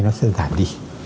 nó sẽ giảm đi